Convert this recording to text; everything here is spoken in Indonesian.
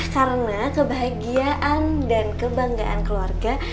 karena kebahagiaan dan kebanggaan keluarga